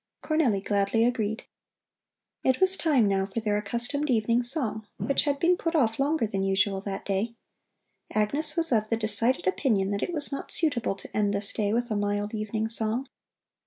Cornelli gladly agreed. It was time now for their accustomed evening song, which had been put off longer than usual that day. Agnes was of the decided opinion that it was not suitable to end this day with a mild evening song.